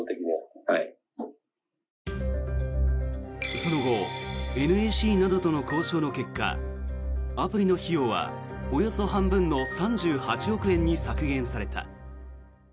その後ＮＥＣなどとの交渉の結果アプリの費用はおよそ半分の３８億円に削減された。